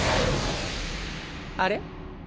あれ？